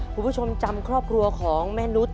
คุณผู้ชมจำครอบครัวของแม่นุษย